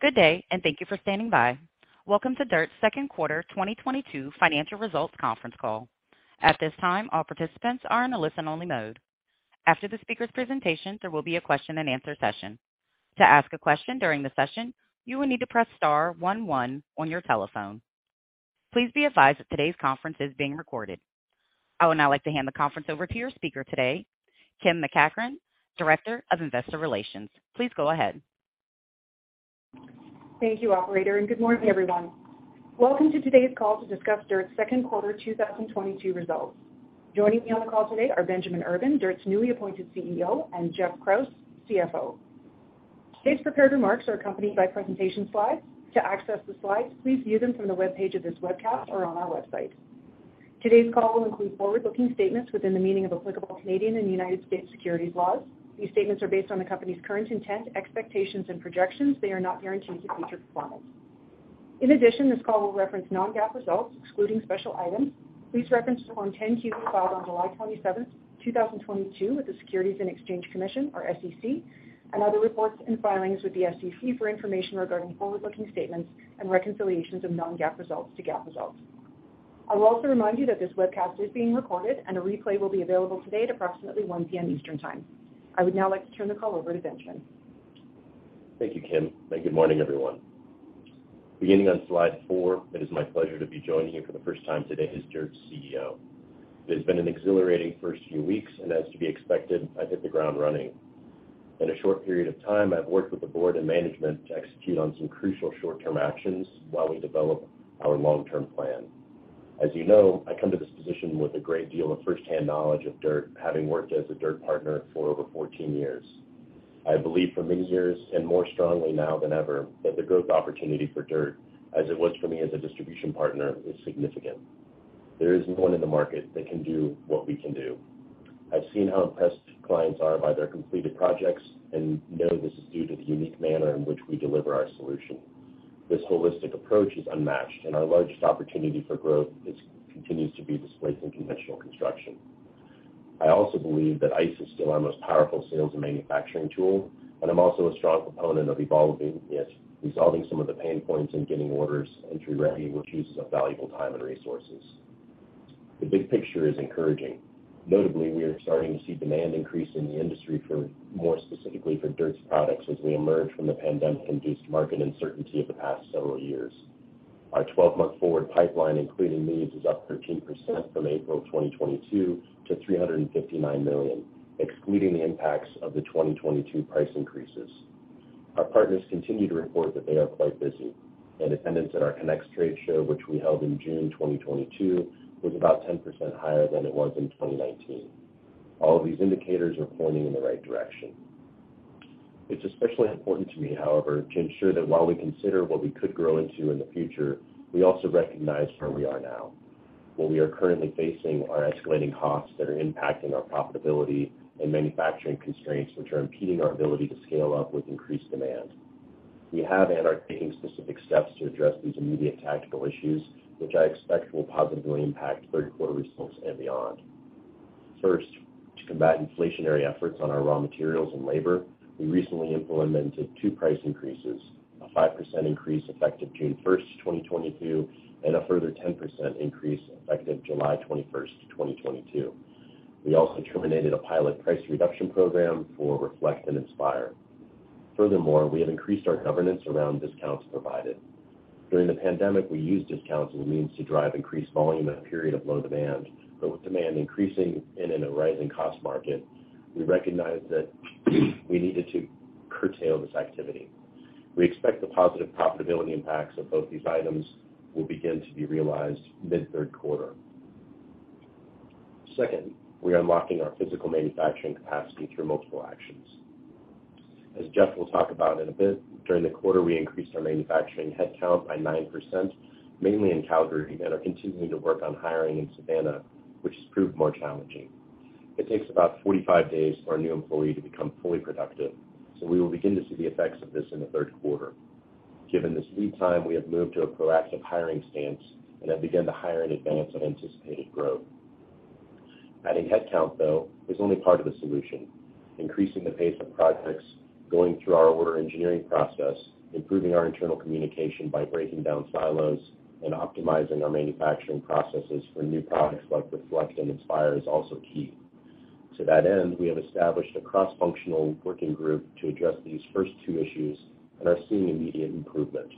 Good day, and thank you for standing by. Welcome to DIRTT's Second Quarter 2022 Financial Results Conference Call. At this time, all participants are in a listen-only mode. After the speaker's presentation, there will be a question-and-answer session. To ask a question during the session, you will need to press star one one on your telephone. Please be advised that today's conference is being recorded. I would now like to hand the conference over to your speaker today, Kim MacEachern, Director of Investor Relations. Please go ahead. Thank you, operator, and good morning, everyone. Welcome to today's call to discuss DIRTT's Second Quarter 2022 Results. Joining me on the call today are Benjamin Urban, DIRTT's newly appointed Chief Executive Officer, and Geoff Krause, Chief Financial Officer. Today's prepared remarks are accompanied by presentation slides. To access the slides, please view them from the webpage of this webcast or on our website. Today's call will include forward-looking statements within the meaning of applicable Canadian and United States securities laws. These statements are based on the company's current intent, expectations, and projections. They are not guarantees of future performance. In addition, this call will reference non-GAAP results, excluding special items. Please reference our 10-Q we filed on July 27, 2022 with the Securities and Exchange Commission, or SEC, and other reports and filings with the SEC for information regarding forward-looking statements and reconciliations of non-GAAP results to GAAP results. I will also remind you that this webcast is being recorded and a replay will be available today at approximately 1:00 P.M. Eastern Time. I would now like to turn the call over to Benjamin. Thank you, Kim, and good morning, everyone. Beginning on slide four, it is my pleasure to be joining you for the first time today as DIRTT's Chief Executive Officer. It has been an exhilarating first few weeks, and as to be expected, I've hit the ground running. In a short period of time, I've worked with the board and management to execute on some crucial short-term actions while we develop our long-term plan. As you know, I come to this position with a great deal of firsthand knowledge of DIRTT, having worked as a DIRTT partner for over 14 years. I believe for many years, and more strongly now than ever, that the growth opportunity for DIRTT, as it was for me as a distribution partner, is significant. There is no one in the market that can do what we can do. I've seen how impressed clients are by their completed projects and know this is due to the unique manner in which we deliver our solution. This holistic approach is unmatched, and our largest opportunity for growth continues to be displacing conventional construction. I also believe that ICE is still our most powerful sales and manufacturing tool, and I'm also a strong proponent of evolving it, resolving some of the pain points in getting orders entry-ready, which uses up valuable time and resources. The big picture is encouraging. Notably, we are starting to see demand increase in the industry, more specifically for DIRTT's products as we emerge from the pandemic-induced market uncertainty of the past several years. Our 12-month forward pipeline, including leads, is up 13% from April of 2022 to 359 million, excluding the impacts of the 2022 price increases. Our partners continue to report that they are quite busy. Attendance at our Connect trade show, which we held in June 2022, was about 10% higher than it was in 2019. All of these indicators are pointing in the right direction. It's especially important to me, however, to ensure that while we consider what we could grow into in the future, we also recognize where we are now. What we are currently facing are escalating costs that are impacting our profitability and manufacturing constraints which are impeding our ability to scale up with increased demand. We have and are taking specific steps to address these immediate tactical issues, which I expect will positively impact third quarter results and beyond. First, to combat inflationary pressures on our raw materials and labor, we recently implemented two price increases, a 5% increase effective June 1st, 2022, and a further 10% increase effective July 21st, 2022. We also terminated a pilot price reduction program for Reflect and Inspire. Furthermore, we have increased our governance around discounts provided. During the pandemic, we used discounts as a means to drive increased volume in a period of low demand, but with demand increasing and in a rising cost market, we recognized that we needed to curtail this activity. We expect the positive profitability impacts of both these items will begin to be realized mid-third quarter. Second, we are unlocking our physical manufacturing capacity through multiple actions. As Geoff will talk about in a bit, during the quarter, we increased our manufacturing headcount by 9%, mainly in Calgary, and are continuing to work on hiring in Savannah, which has proved more challenging. It takes about 45 days for a new employee to become fully productive, so we will begin to see the effects of this in the third quarter. Given this lead time, we have moved to a proactive hiring stance and have begun to hire in advance of anticipated growth. Adding headcount, though, is only part of the solution. Increasing the pace of projects, going through our order engineering process, improving our internal communication by breaking down silos, and optimizing our manufacturing processes for new products like Reflect and Inspire is also key. To that end, we have established a cross-functional working group to address these first two issues and are seeing immediate improvement.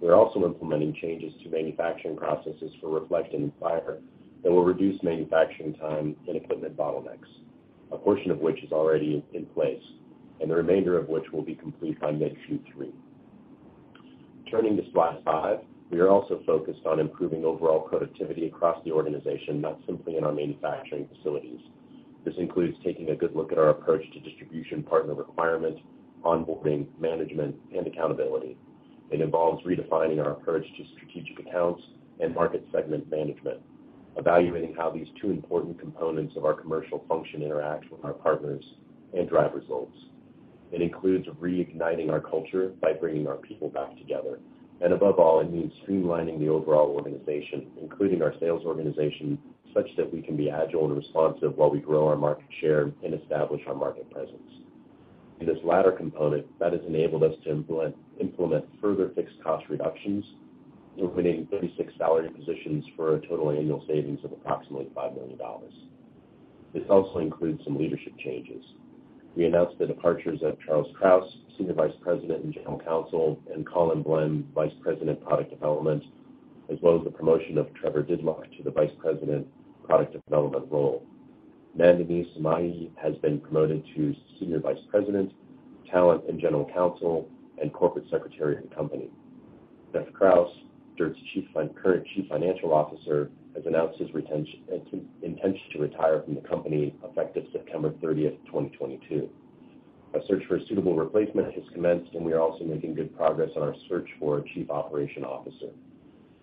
We're also implementing changes to manufacturing processes for Reflect and Inspire that will reduce manufacturing time and equipment bottlenecks, a portion of which is already in place, and the remainder of which will be complete by mid Q3. Turning to slide five, we are also focused on improving overall productivity across the organization, not simply in our manufacturing facilities. This includes taking a good look at our approach to distribution partner requirement, onboarding, management, and accountability. It involves redefining our approach to strategic accounts and market segment management, evaluating how these two important components of our commercial function interact with our partners and drive results. It includes reigniting our culture by bringing our people back together. Above all, it means streamlining the overall organization, including our sales organization, such that we can be agile and responsive while we grow our market share and establish our market presence. In this latter component that has enabled us to implement further fixed cost reductions, eliminating 36 salaried positions for a total annual savings of approximately $5 million. This also includes some leadership changes. We announced the departures of Charles R. Kraus, Senior Vice President and General Counsel, and Colin Bell, Vice President, Product Development, as well as the promotion of Trevor Didluck to the Vice President Product Development role. Nandini Somayaji has been promoted to Senior Vice President, Talent and General Counsel, and Corporate Secretary of the company. Geoffrey D. Krause, DIRTT's current Chief Financial Officer, has announced his intention to retire from the company effective September 30th, 2022. A search for a suitable replacement has commenced, and we are also making good progress on our search for a Chief Operating Officer.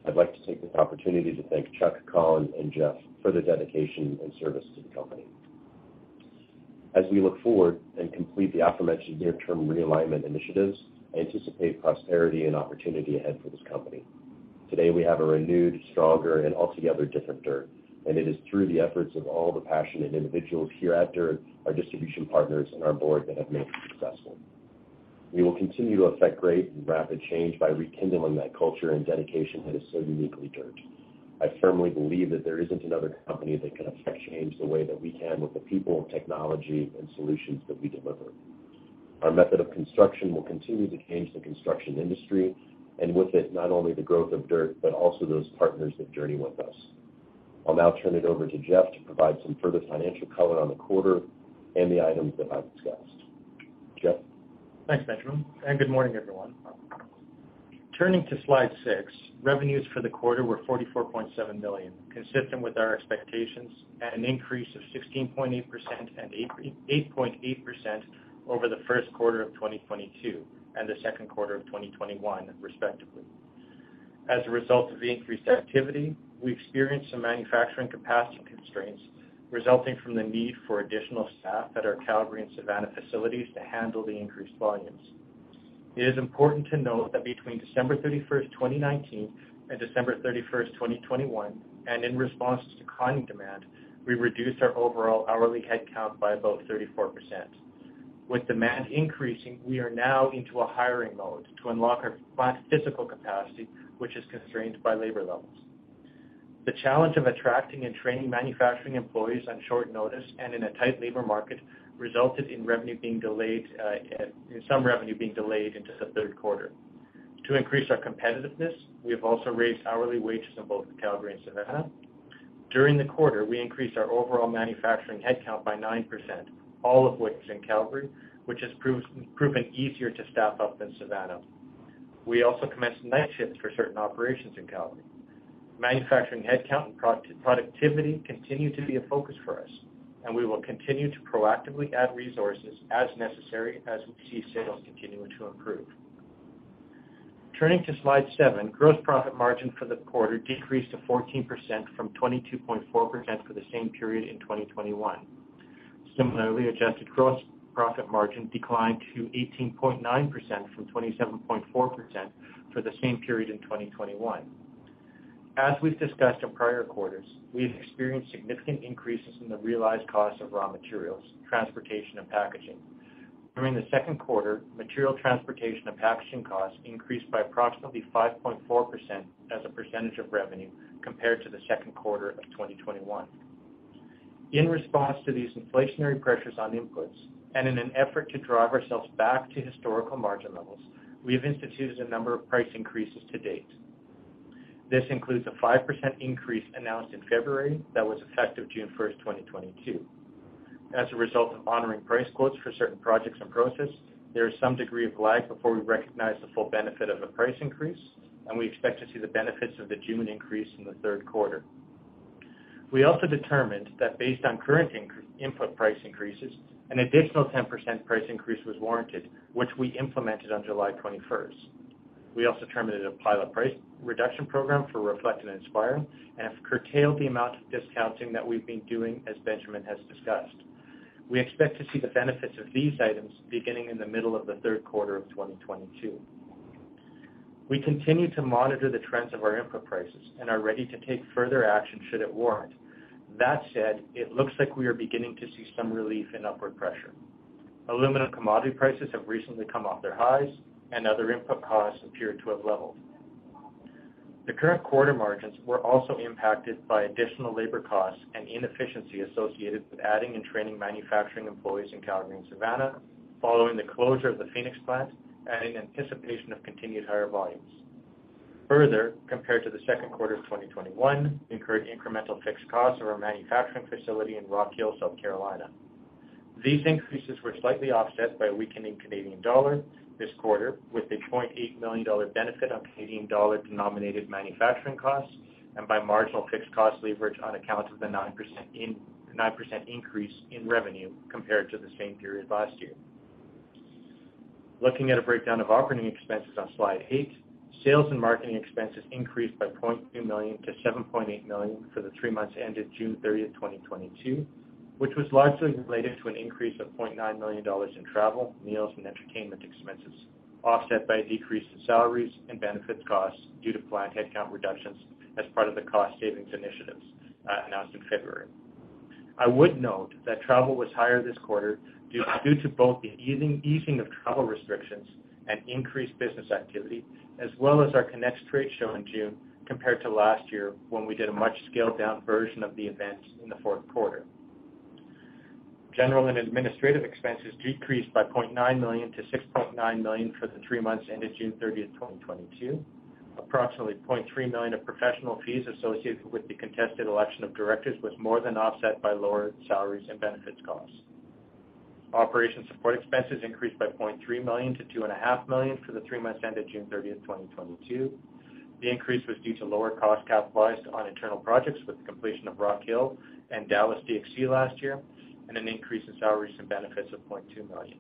I'd like to take this opportunity to thank Chuck, Colin, and Geoff for their dedication and service to the company. As we look forward and complete the aforementioned near-term realignment initiatives, I anticipate prosperity and opportunity ahead for this company. Today, we have a renewed, stronger, and altogether different DIRTT, and it is through the efforts of all the passionate individuals here at DIRTT, our distribution partners, and our board that have made it successful. We will continue to affect great and rapid change by rekindling that culture and dedication that is so uniquely DIRTT. I firmly believe that there isn't another company that can affect change the way that we can with the people, technology, and solutions that we deliver. Our method of construction will continue to change the construction industry, and with it, not only the growth of DIRTT, but also those partners that journey with us. I'll now turn it over to Geoff to provide some further financial color on the quarter and the items that I've discussed. Geoff? Thanks, Benjamin, and good morning, everyone. Turning to slide six, revenues for the quarter were $44.7 million, consistent with our expectations at an increase of 16.8% and 8.8% over the first quarter of 2022 and the second quarter of 2021, respectively. As a result of the increased activity, we experienced some manufacturing capacity constraints resulting from the need for additional staff at our Calgary and Savannah facilities to handle the increased volumes. It is important to note that between December 31st, 2019, and December 31st, 2021, and in response to declining demand, we reduced our overall hourly headcount by about 34%. With demand increasing, we are now into a hiring mode to unlock our plant physical capacity, which is constrained by labor levels. The challenge of attracting and training manufacturing employees on short notice and in a tight labor market resulted in some revenue being delayed into the third quarter. To increase our competitiveness, we have also raised hourly wages in both Calgary and Savannah. During the quarter, we increased our overall manufacturing headcount by 9%, all of which in Calgary, which has proven easier to staff up than Savannah. We also commenced night shifts for certain operations in Calgary. Manufacturing headcount and productivity continue to be a focus for us, and we will continue to proactively add resources as necessary as we see sales continuing to improve. Turning to slide seven, gross profit margin for the quarter decreased to 14% from 22.4% for the same period in 2021. Adjusted gross profit margin declined to 18.9% from 27.4% for the same period in 2021. As we've discussed in prior quarters, we have experienced significant increases in the realized cost of raw materials, transportation, and packaging. During the second quarter, material transportation and packaging costs increased by approximately 5.4% as a percentage of revenue compared to the second quarter of 2021. In response to these inflationary pressures on inputs and in an effort to drive ourselves back to historical margin levels, we have instituted a number of price increases to date. This includes a 5% increase announced in February that was effective June 1st, 2022. As a result of honoring price quotes for certain projects in process, there is some degree of lag before we recognize the full benefit of a price increase, and we expect to see the benefits of the June increase in the third quarter. We also determined that based on current input price increases, an additional 10% price increase was warranted, which we implemented on July 21st. We also terminated a pilot price reduction program for Reflect and Inspire and have curtailed the amount of discounting that we've been doing as Benjamin has discussed. We expect to see the benefits of these items beginning in the middle of the third quarter of 2022. We continue to monitor the trends of our input prices and are ready to take further action should it warrant. That said, it looks like we are beginning to see some relief in upward pressure. Aluminum commodity prices have recently come off their highs and other input costs appear to have leveled. The current quarter margins were also impacted by additional labor costs and inefficiency associated with adding and training manufacturing employees in Calgary and Savannah following the closure of the Phoenix plant and in anticipation of continued higher volumes. Further, compared to the second quarter of 2021, we incurred incremental fixed costs of our manufacturing facility in Rock Hill, South Carolina. These increases were slightly offset by a weakening Canadian dollar this quarter, with a 0.8 million dollar benefit on Canadian dollar-denominated manufacturing costs and by marginal fixed cost leverage on account of the 9% increase in revenue compared to the same period last year. Looking at a breakdown of operating expenses on slide eigth, sales and marketing expenses increased by $0.2 million-$7.8 million for the three months ended June 30, 2022, which was largely related to an increase of $0.9 million in travel, meals, and entertainment expenses, offset by a decrease in salaries and benefits costs due to plant headcount reductions as part of the cost savings initiatives announced in February. I would note that travel was higher this quarter due to both the easing of travel restrictions and increased business activity, as well as our Connect trade show in June compared to last year when we did a much scaled-down version of the event in the fourth quarter. General and administrative expenses decreased by $0.9 million-$6.9 million for the three months ended June 30, 2022. Approximately $0.3 million of professional fees associated with the contested election of directors was more than offset by lower salaries and benefits costs. Operational support expenses increased by $0.3 million-$2.5 million for the three months ended June 30, 2022. The increase was due to lower costs capitalized on internal projects with the completion of Rock Hill and Dallas DFC last year, and an increase in salaries and benefits of $0.2 million.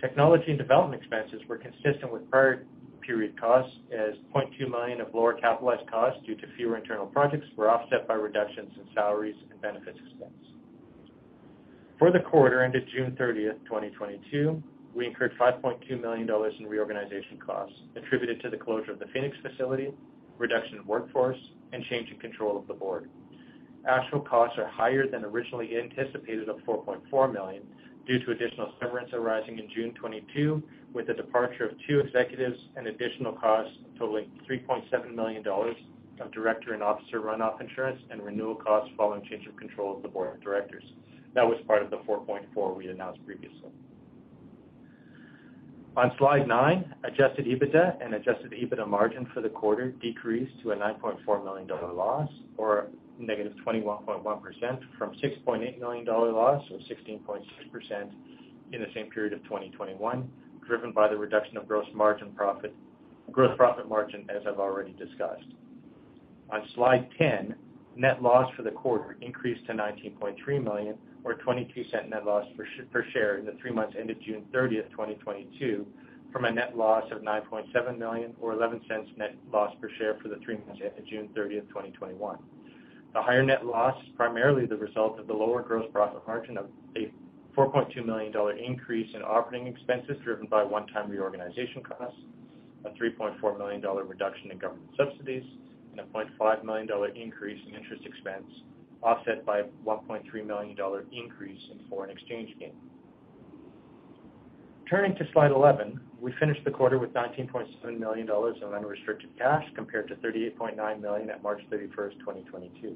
Technology and development expenses were consistent with prior period costs as $0.2 million of lower capitalized costs due to fewer internal projects were offset by reductions in salaries and benefits expense. For the quarter ended June 30th, 2022, we incurred $5.2 million in reorganization costs attributed to the closure of the Phoenix facility, reduction in workforce, and change in control of the board. Actual costs are higher than originally anticipated of $4.4 million due to additional severance arising in June 2022, with the departure of two executives and additional costs totaling $3.7 million of director and officer runoff insurance and renewal costs following change of control of the board of directors. That was part of the $4.4 million we announced previously. On slide nine, adjusted EBITDA and adjusted EBITDA margin for the quarter decreased to a $9.4 million loss, or -21.1% from $6.8 million loss, or 16.6% in the same period of 2021, driven by the reduction of gross profit margin, as I've already discussed. On slide 10, net loss for the quarter increased to $19.3 million, or 0.22 net loss per share in the three months ended June 30, 2022, from a net loss of $9.7 million or 11 cents net loss per share for the three months ended June 30, 2021. The higher net loss, primarily the result of the lower gross profit margin of a $4.2 million increase in operating expenses driven by one-time reorganization costs, a $3.4 million reduction in government subsidies, and a $0.5 million increase in interest expense, offset by $1.3 million increase in foreign exchange gain. Turning to slide 11, we finished the quarter with $19.7 million in unrestricted cash compared to $38.9 million at March 31st, 2022.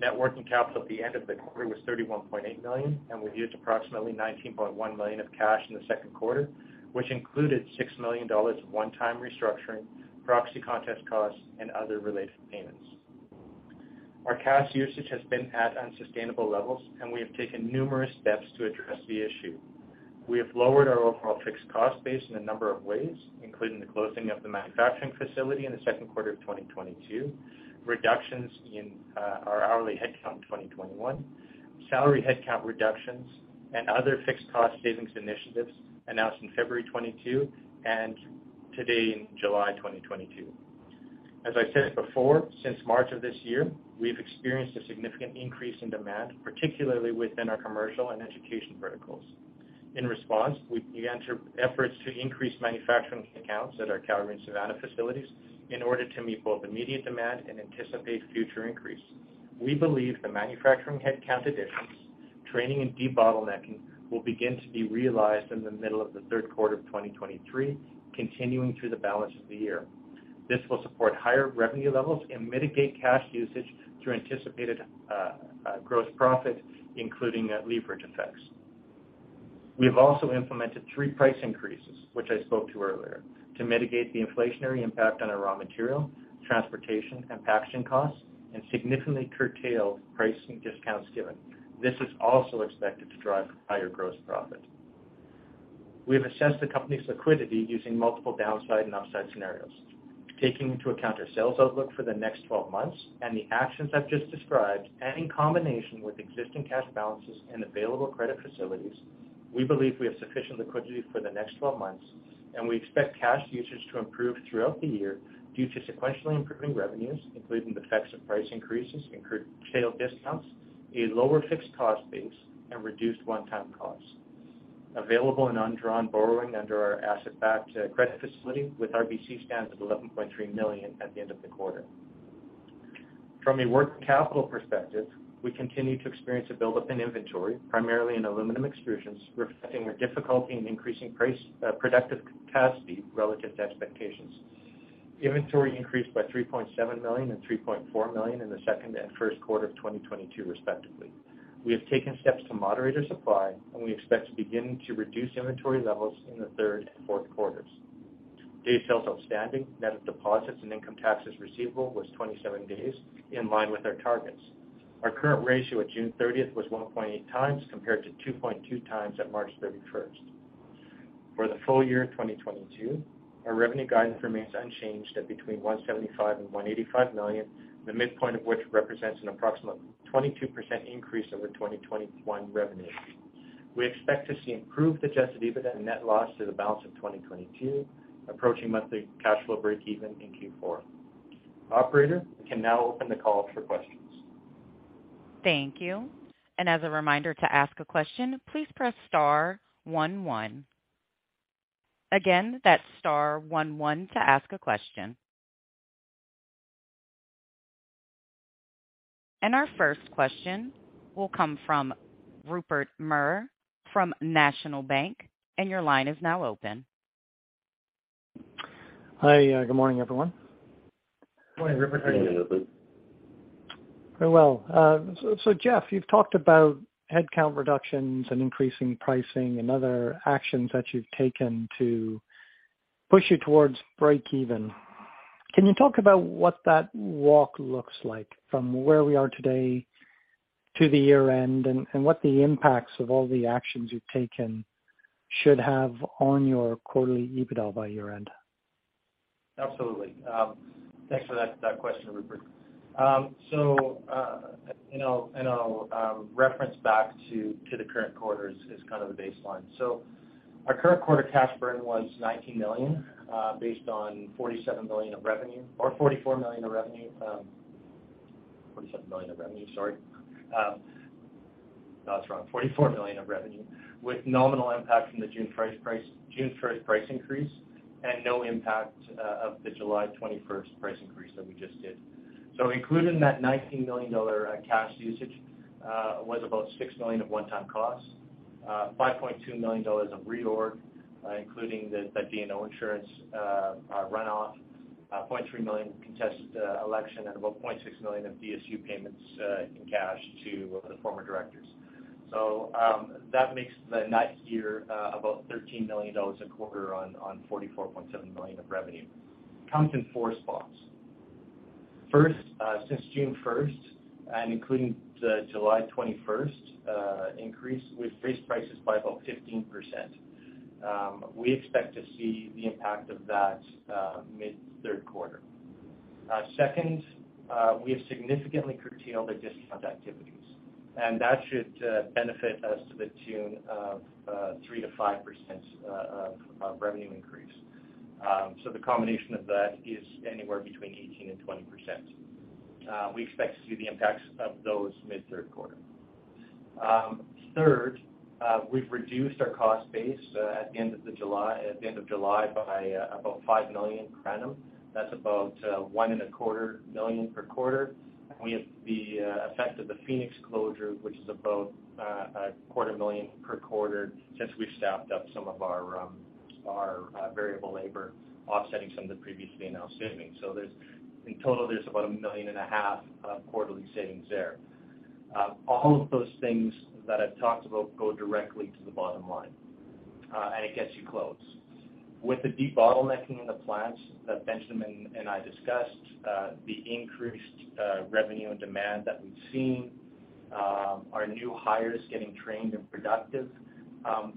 Net working capital at the end of the quarter was $31.8 million, and we've used approximately $19.1 million of cash in the second quarter, which included $6 million of one-time restructuring, proxy contest costs, and other related payments. Our cash usage has been at unsustainable levels, and we have taken numerous steps to address the issue. We have lowered our overall fixed cost base in a number of ways, including the closing of the manufacturing facility in the second quarter of 2022, reductions in our hourly headcount in 2021, salary headcount reductions, and other fixed cost savings initiatives announced in February 2022 and today in July 2022. As I said before, since March of this year, we've experienced a significant increase in demand, particularly within our commercial and education verticals. In response, we began efforts to increase manufacturing accounts at our Calgary and Savannah facilities in order to meet both immediate demand and anticipate future increase. We believe the manufacturing headcount additions, training and debottlenecking will begin to be realized in the middle of the third quarter of 2023, continuing through the balance of the year. This will support higher revenue levels and mitigate cash usage through anticipated gross profit, including leverage effects. We have also implemented three price increases, which I spoke to earlier, to mitigate the inflationary impact on our raw material, transportation and packaging costs, and significantly curtail pricing discounts given. This is also expected to drive higher gross profit. We have assessed the company's liquidity using multiple downside and upside scenarios. Taking into account our sales outlook for the next 12 months and the actions I've just described, and in combination with existing cash balances and available credit facilities, we believe we have sufficient liquidity for the next 12 months, and we expect cash usage to improve throughout the year due to sequentially improving revenues, including the effects of price increases and contract discounts, a lower fixed cost base, and reduced one-time costs. Available and undrawn borrowing under our asset-backed credit facility with RBC stands at $11.3 million at the end of the quarter. From a working capital perspective, we continue to experience a buildup in inventory, primarily in aluminum extrusions, reflecting our difficulty in increasing production capacity relative to expectations. Inventory increased by $3.7 million and $3.4 million in the second and first quarter of 2022, respectively. We have taken steps to moderate our supply, and we expect to begin to reduce inventory levels in the third and fourth quarters. Days sales outstanding, net of deposits and income taxes receivable was 27 days, in line with our targets. Our current ratio at June 30th was 1.8x compared to 2.2x at March 31st. For the full year 2022, our revenue guidance remains unchanged at between $175 million and $185 million, the midpoint of which represents an approximate 22% increase over 2021 revenue. We expect to see improved adjusted EBITDA and net loss through the balance of 2022, approaching monthly cash flow breakeven in Q4. Operator, we can now open the call for questions. Thank you. As a reminder to ask a question, please press star one one. Again, that's star one one to ask a question. Our first question will come from Rupert Merer from National Bank. Your line is now open. Hi. Good morning, everyone. Good morning, Rupert. How are you? Very well. So Geoff, you've talked about headcount reductions and increasing pricing and other actions that you've taken to push you towards breakeven. Can you talk about what that walk looks like from where we are today to the year-end and what the impacts of all the actions you've taken should have on your quarterly EBITDA by year-end? Absolutely. Thanks for that question, Rupert. I'll reference back to the current quarter, which is kind of the baseline. Our current quarter cash burn was $19 million, based on $47 million of revenue or $44 million of revenue. $47 million of revenue, sorry. No, that's wrong. $44 million of revenue with nominal impact from the June 1 price increase and no impact of the July 21s price increase that we just did. Included in that $19 million cash usage was about $6 million of one-time costs, $5.2 million of reorg, including the D&O insurance runoff, $0.3 million contested election and about $0.6 million of DSU payments in cash to the former directors. That makes the net here about $13 million a quarter on $44.7 million of revenue. Counting four points. First, since June 1st and including the July 21st increase, we've raised prices by about 15%. We expect to see the impact of that mid-third quarter. Second, we have significantly curtailed the discount activities, and that should benefit us to the tune of 3%-5% of revenue increase. The combination of that is anywhere between 18% and 20%. We expect to see the impacts of those mid-third quarter. Third, we've reduced our cost base at the end of July by about $5 million per annum. That's about $1 and a quarter million per quarter. We have the effect of the Phoenix closure, which is about a quarter million per quarter, since we've staffed up some of our variable labor, offsetting some of the previously announced savings. There's in total about $1.5 million of quarterly savings there. All of those things that I've talked about go directly to the bottom line, and it gets you close. With the debottlenecking in the plants that Benjamin and I discussed, the increased revenue and demand that we've seen, our new hires getting trained and productive,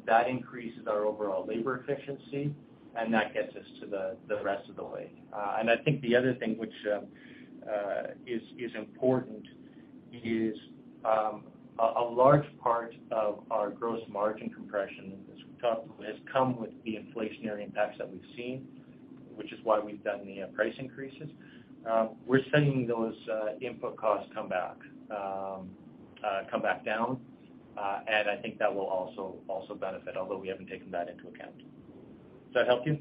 that increases our overall labor efficiency and that gets us to the rest of the way. I think the other thing which is important is a large part of our gross margin compression has come with the inflationary impacts that we've seen, which is why we've done the price increases. We're seeing those input costs come back down, and I think that will also benefit, although we haven't taken that into account. Does that help you?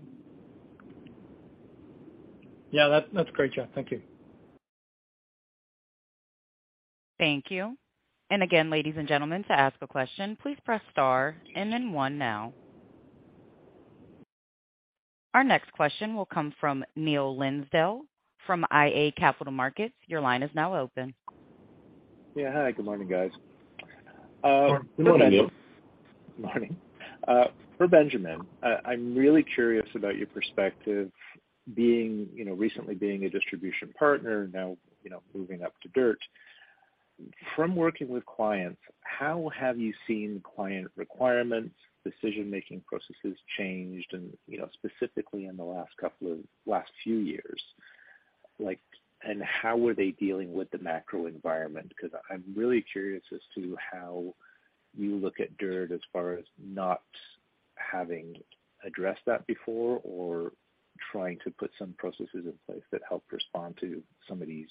Yeah, that's great, Geoff. Thank you. Thank you. Again, ladies and gentlemen, to ask a question, please press star and then one now. Our next question will come from Neil Linsdell from IA Capital Markets. Your line is now open. Yeah. Hi, good morning, guys. Good morning, Neil. Good morning. For Benjamin, I'm really curious about your perspective being, you know, recently being a distribution partner now, you know, moving up to DIRTT. From working with clients, how have you seen client requirements, decision-making processes changed and, you know, specifically in the last few years, like, and how are they dealing with the macro environment? 'Cause I'm really curious as to how you look at DIRTT as far as not having addressed that before or trying to put some processes in place that help respond to some of these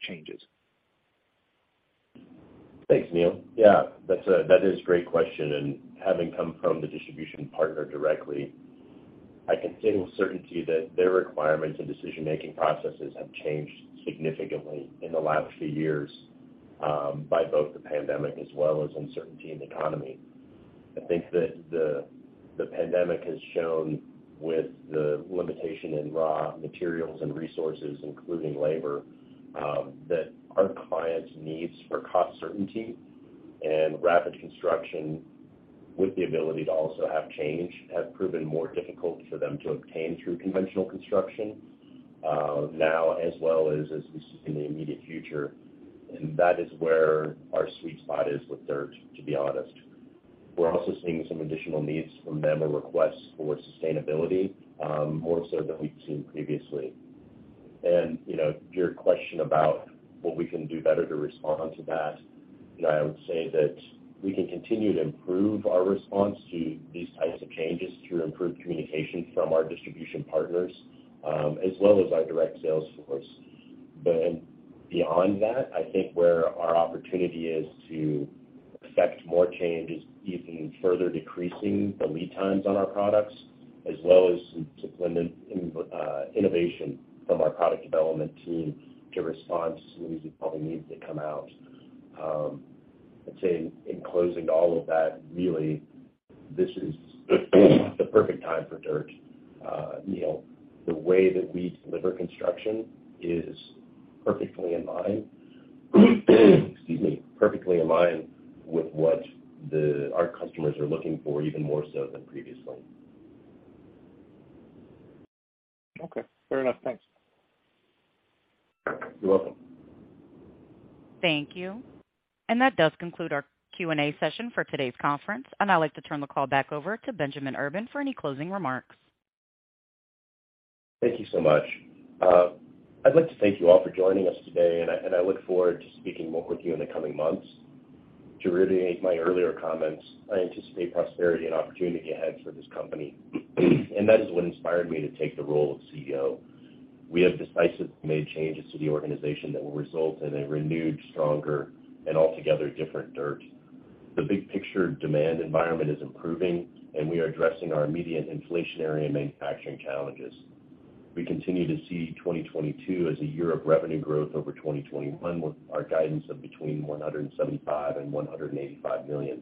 changes. Thanks, Neil. Yeah, that's a great question. Having come from the distribution partner directly, I can say with certainty that their requirements and decision-making processes have changed significantly in the last few years by both the pandemic as well as uncertainty in the economy. I think that the pandemic has shown with the limitation in raw materials and resources, including labor, that our clients' needs for cost certainty and rapid construction with the ability to also have change have proven more difficult for them to obtain through conventional construction now, as well as we see in the immediate future. That is where our sweet spot is with DIRTT, to be honest. We're also seeing some additional needs from them or requests for sustainability more so than we've seen previously. You know, to your question about what we can do better to respond to that, you know, I would say that we can continue to improve our response to these types of changes through improved communication from our distribution partners, as well as our direct sales force. Beyond that, I think where our opportunity is to affect more change is even further decreasing the lead times on our products as well as some supplemental innovation from our product development team to respond to some of these product needs that come out. I'd say in closing to all of that, really, this is the perfect time for DIRTT. Neil, the way that we deliver construction is perfectly in line with our customers are looking for even more so than previously. Okay, fair enough. Thanks. You're welcome. Thank you. That does conclude our Q&A session for today's conference. I'd like to turn the call back over to Benjamin Urban for any closing remarks. Thank you so much. I'd like to thank you all for joining us today, and I look forward to speaking more with you in the coming months. To reiterate my earlier comments, I anticipate prosperity and opportunity ahead for this company, and that is what inspired me to take the role of Chief Executive Officer. We have decisively made changes to the organization that will result in a renewed, stronger and altogether different DIRTT. The big picture demand environment is improving, and we are addressing our immediate inflationary and manufacturing challenges. We continue to see 2022 as a year of revenue growth over 2021, with our guidance of between $175 million and $185 million.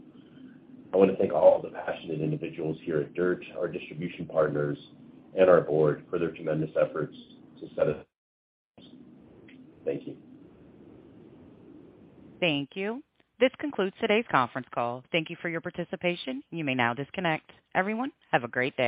I wanna thank all the passionate individuals here at DIRTT, our distribution partners and our board for their tremendous efforts to set us. Thank you. Thank you. This concludes today's conference call. Thank you for your participation. You may now disconnect. Everyone, have a great day.